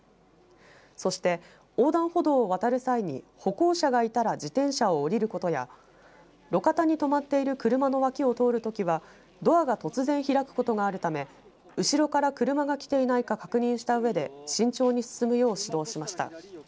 そして横断歩道を渡る際に歩行者がいたら自転車を降りることや路肩に止まっている車の脇を通るときはドアが突然開く時があるため後ろから車が来ていないか確認したうえで慎重に進むよう指導しました。